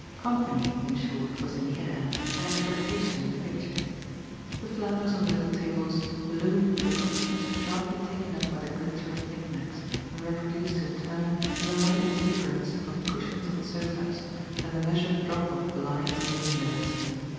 "Company" in short was in the air and expectation in the picture. The flowers on the little tables bloomed with a consciousness sharply taken up by the glitter of nick nacks and reproduced in turn in the light exuberance of cushions on sofas and the measured drop of blinds in windows.